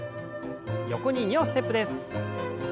横に２歩ステップです。